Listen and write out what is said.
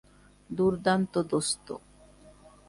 দুর্দান্ত, দোস্ত!